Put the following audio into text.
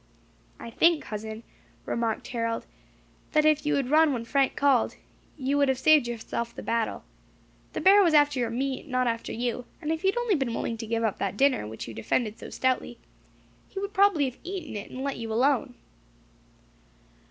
"I think, cousin," remarked Harold, "that if you had run when Frank called, you would have saved yourself the battle. The bear was after your meat, not after you; and if you had only been willing to give up that dinner, which you defended so stoutly, he would probably have eaten it, and let you alone."